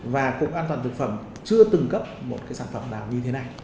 và cục an toàn thực phẩm chưa từng cấp một sản phẩm nào như thế này